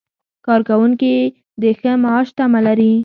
کارکوونکي د ښه معاش تمه لري.